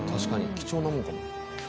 貴重なもんかも。